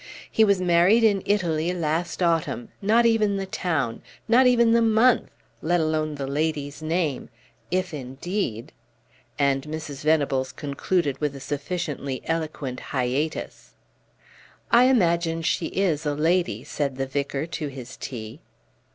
He was married in Italy last autumn; not even the town not even the month let alone the lady's name if, indeed " And Mrs. Venables concluded with a sufficiently eloquent hiatus. "I imagine she is a lady," said the vicar to his tea.